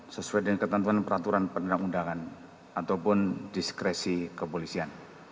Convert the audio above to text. sesuai dengan ketentuan peraturan perundang undangan ataupun diskresi kepolisian